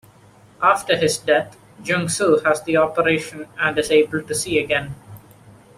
After his death, Jung-suh has the operation and is able to see again.